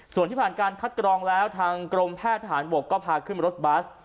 ส่วนที่ผ่านการคัดกรองแล้วทางกรมแพทย์ทหารบกก็พาขึ้นรถบัส